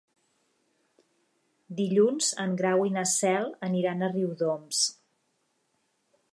Dilluns en Grau i na Cel aniran a Riudoms.